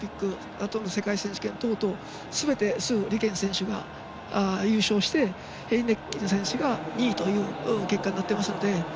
あとの世界選手権等々すべて、鄒莉娟選手が優勝してヘイッキネン選手が２位という結果になっていますので。